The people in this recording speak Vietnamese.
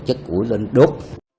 chất củi lên đốt